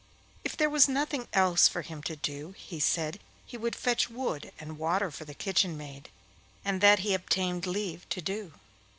If there was nothing else for him to do, he said he would fetch wood and water for the kitchen maid, and that he obtained leave to do.